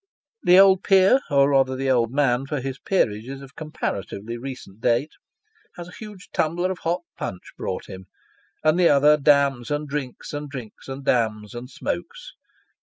The old peer or rather, the old man for his peerage is of com paratively recent date has a huge tumbler of hot punch brought him ; and the other damns and drinks, and drinks and damns, and smokes.